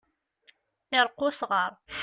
Iṛeqq usɣaṛ.